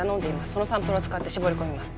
そのサンプルを使って絞り込みます。